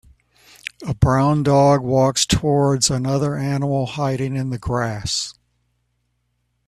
A brown dog walks towards another animal hiding in the grass.